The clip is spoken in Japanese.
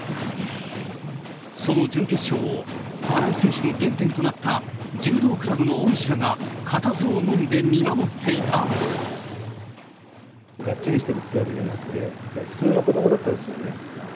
その準決勝を新井選手の原点となった柔道クラブの恩師らが固唾をがっちりしてるってわけじゃなくて、普通の子どもだったんですよね。